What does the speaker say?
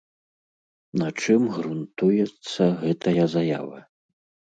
На чым грунтуецца гэтая заява?